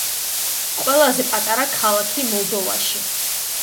ყველაზე პატარა ქალაქი მოლდოვაში.